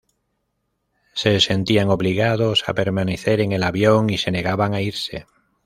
Se sentían obligados a permanecer en el avión y se negaban a irse.